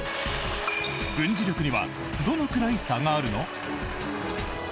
軍事力にはどのくらい差があるの？